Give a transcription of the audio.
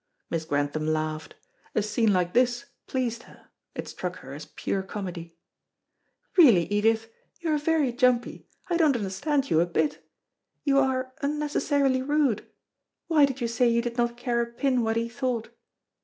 Miss Grantham laughed. A scene like this pleased her; it struck her as pure comedy. "Really, Edith, you are very jumpy; I don't understand you a bit. You are unnecessarily rude. Why did you say you did not care a pin what he thought?"